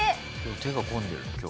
手が込んでる今日。